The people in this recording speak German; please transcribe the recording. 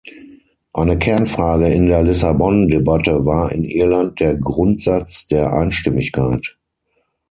Eine Kernfrage in der Lissabon-Debatte war in Irland der Grundsatz der Einstimmigkeit.